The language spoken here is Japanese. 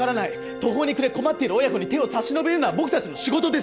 途方に暮れ困っている親子に手を差し伸べるのは僕たちの仕事です！